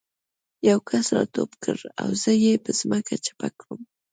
یو کس را ټوپ کړ او زه یې په ځمکه چپه کړم